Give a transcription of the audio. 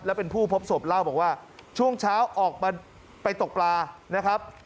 และเป็นผู้พบศพเล่าบอกว่าช่วงเช้าออกมาไปตกปลานะครับ